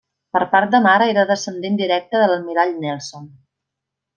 Per part de mare era descendent directe de l'almirall Nelson.